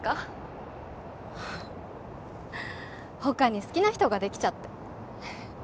他に好きな人ができちゃって。